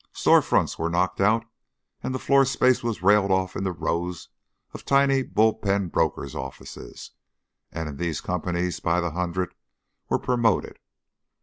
Store fronts were knocked out and the floor space was railed off into rows of tiny bull pen brokers' offices, and in these companies by the hundred were promoted.